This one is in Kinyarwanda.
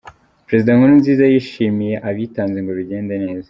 Perezida Nkurunziza yashimiye abitanze ngo bigende neza.